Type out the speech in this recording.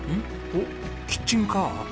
おっキッチンカー？